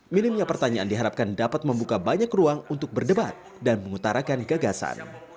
minimnya pertanyaan diharapkan dapat membuka banyak ruang untuk berdebat dan mengutarakan gagasan